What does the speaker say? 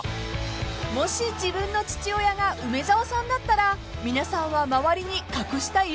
［もし自分の父親が梅沢さんだったら皆さんは周りに隠したい？